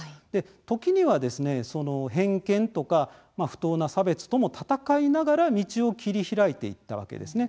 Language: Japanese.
時にはですね、偏見とか不当な差別とも闘いながら道を切り開いていったわけですね。